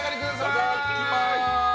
いただきます！